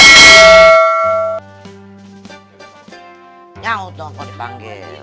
jangan ke toko dipanggil